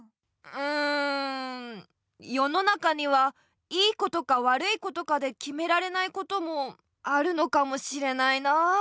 うんよのなかにはいいことかわるいことかできめられないこともあるのかもしれないな。